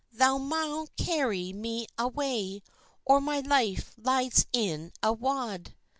thou maun carry me away, Or my life lies in wad!"